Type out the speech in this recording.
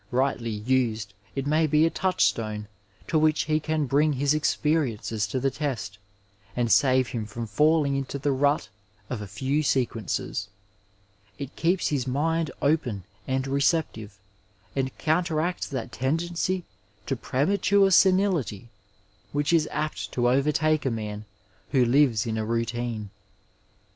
Righdy used, it may be a touchstone to which he can bring his experiences to the test and save him from falling into the rut of a few sequences. It keeps his mind open and recep tive, and counteracts that tendency to premature senility which is apt to overtake a man who lives in a routine.